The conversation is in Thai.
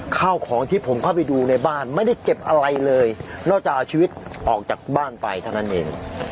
ข้าวของที่ผมเข้าไปดูในบ้านไม่ได้เก็บอะไรเลยนอกจากเอาชีวิตออกจากบ้านไปเท่านั้นเอง